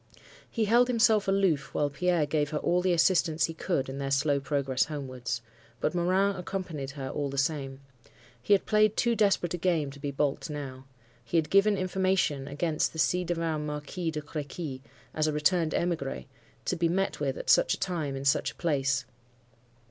He held himself aloof while Pierre gave her all the assistance he could in their slow progress homewards. But Morin accompanied her all the same. He had played too desperate a game to be baulked now. He had given information against the ci devant Marquis de Crequy, as a returned emigre, to be met with at such a time, in such a place.